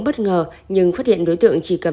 bất ngờ nhưng phát hiện đối tượng chỉ cầm